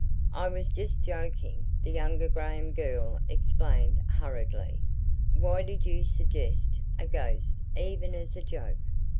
"I was just joking," the younger Graham girl explained hurriedly. "Why did you suggest a ghost even as a joke?"